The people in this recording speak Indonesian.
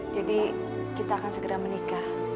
jadi kita akan segera menikah